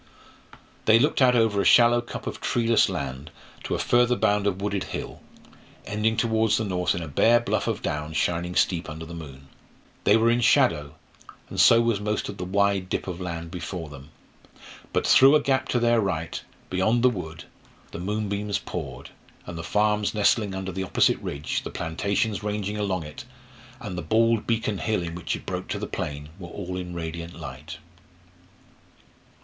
They looked out over a shallow cup of treeless land to a further bound of wooded hill, ending towards the north in a bare bluff of down shining steep under the moon. They were in shadow, and so was most of the wide dip of land before them; but through a gap to their right, beyond the wood, the moonbeams poured, and the farms nestling under the opposite ridge, the plantations ranging along it, and the bald beacon hill in which it broke to the plain, were all in radiant light.